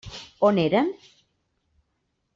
On eren?